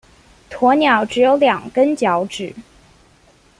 鸵鸟只有两根脚趾。